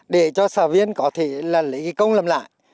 để cho xã viên có thể là lấy công làm lại